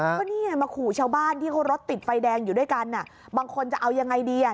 ก็นี่ไงมาขู่ชาวบ้านที่เขารถติดไฟแดงอยู่ด้วยกันบางคนจะเอายังไงดีอ่ะ